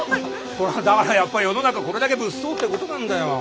ほらだからやっぱり世の中これだけ物騒ってことなんだよ。